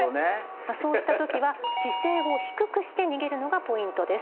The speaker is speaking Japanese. そうした時は姿勢を低くして逃げるのがポイントです。